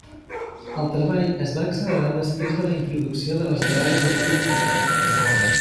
El treball es va accelerar després de la introducció de les dragues de catúfols.